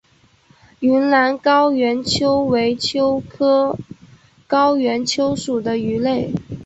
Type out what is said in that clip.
云南高原鳅为鳅科高原鳅属的鱼类。